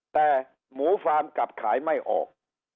แต่หมูฟาร์มกลับขายไม่ออก